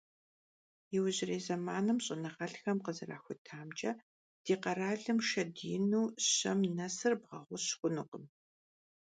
Иужьрей зэманым щӀэныгъэлӀхэм къызэрахутамкӀэ, ди къэралым шэд ину щэм нэсыр бгъэгъущ хъунукъым.